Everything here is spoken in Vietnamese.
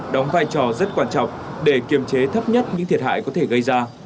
đóng vai trò rất quan trọng để kiềm chế thấp nhất những thiệt hại có thể gây ra